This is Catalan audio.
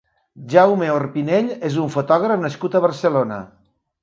Jaume Orpinell és un fotògraf nascut a Barcelona.